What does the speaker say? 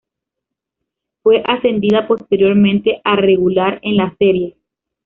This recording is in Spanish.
Fue ascendida posteriormente a regular en la serie.